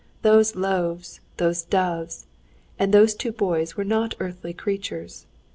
Those loaves, those doves, and those two boys were not earthly creatures.